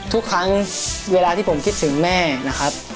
ทุกครั้งเวลาที่ผมคิดถึงแม่นะครับ